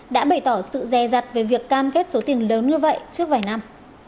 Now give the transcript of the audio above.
đã bày tỏ sự dè dặt về việc cam kết số tiền lớn như vậy trước vài năm